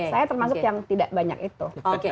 saya termasuk yang tidak banyak itu